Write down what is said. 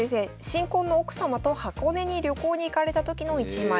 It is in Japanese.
新婚の奥様と箱根に旅行に行かれた時の１枚。